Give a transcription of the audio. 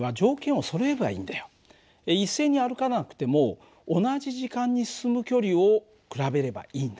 一斉に歩かなくても同じ時間に進む距離を比べればいいんだ。